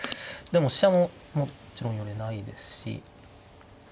でも飛車ももちろん寄れないですし。